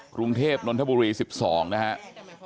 กรุงเทพย์นทบุรีสิบสองนะครับ